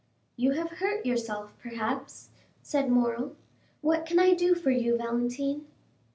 "You have hurt yourself, perhaps," said Morrel. "What can I do for you, Valentine?"